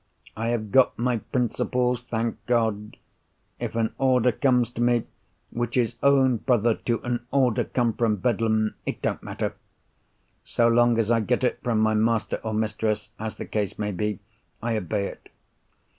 I have got my principles, thank God. If an order comes to me, which is own brother to an order come from Bedlam, it don't matter. So long as I get it from my master or mistress, as the case may be, I obey it.